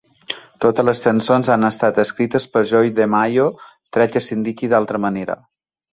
Totes les cançons han estat escrites per Joey DeMaio, tret que s'indiqui d'altra manera.